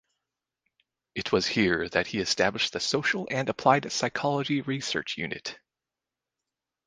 It was here that he established the Social and Applied Psychology Research Unit.